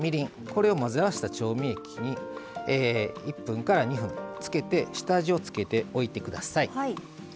これを混ぜ合わせた調味液に１分から２分つけて下味を付けておいてください。